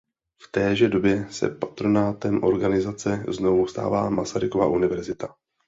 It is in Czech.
V téže době se patronátem organizace znovu stává Masarykova univerzita.